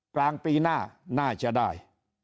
กลางปีหน้าน่าจะได้